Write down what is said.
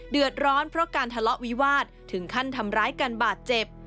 เดือดร้อนเพราะการทะเลาะวิวาสถึงขั้นทำร้ายกันบาดเจ็บ